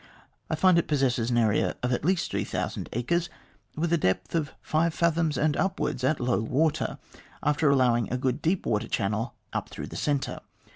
I find it possesses an area of at least 3000 acres, with a depth of five fathoms and upwards at low water, after allowing a good deep water channel up through the centre.